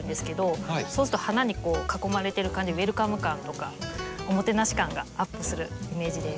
そうすると花に囲まれてる感じでウエルカム感とかおもてなし感がアップするイメージです。